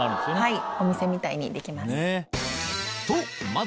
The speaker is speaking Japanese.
はい。